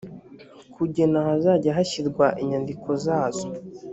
kugena ahazajya hashyirwa inyandiko zazo